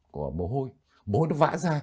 của bồ hôi bồ hôi nó vãi ra